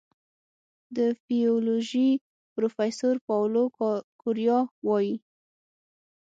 د فزیولوژي پروفېسور پاولو کوریا وايي